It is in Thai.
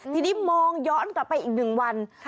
ทีนี้มองย้อนกลับไปอีก๑วัน